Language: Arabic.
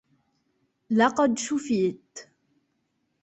لقد شفيت